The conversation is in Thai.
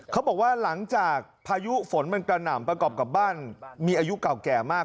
เขาบอกว่าหลังจากพายุฝนมันกระหน่ำประกอบกับบ้านมีอายุเก่าแก่มาก